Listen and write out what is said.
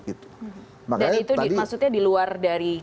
dan itu maksudnya di luar dari kadernya sendiri